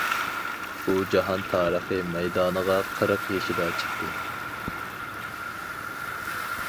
ئۇ جاھان تارىخى مەيدانىغا قىرىق يېشىدا چىقتى.